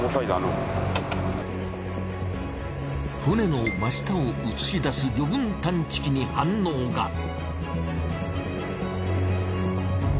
船の真下を映し出す魚群探知機に反応が。